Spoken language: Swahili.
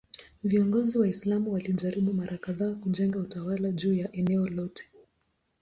Viongozi Waislamu walijaribu mara kadhaa kujenga utawala juu ya eneo lote.